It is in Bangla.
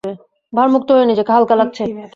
ভারমুক্ত হয়ে নিজেকে হালকা লাগছে।